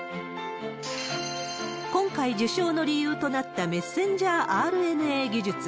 今回受賞の理由となったメッセンジャーＲＮＡ技術。